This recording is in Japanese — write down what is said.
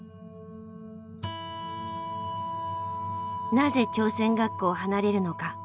なぜ朝鮮学校を離れるのか。